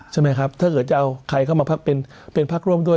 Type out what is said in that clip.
ใช่ไหมครับถ้าเกิดจะเอาใครเข้ามาพักเป็นพักร่วมด้วย